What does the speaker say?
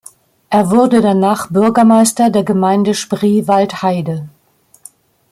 Er wurde danach Bürgermeister der Gemeinde Spreewaldheide.